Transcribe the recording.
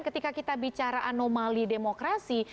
ketika kita bicara anomali demokrasi